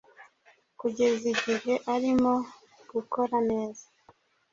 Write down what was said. kugeza igihe arimo kugora neza